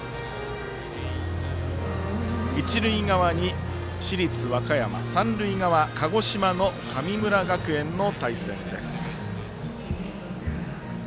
一塁側に、市立和歌山三塁側、鹿児島の神村学園の対戦。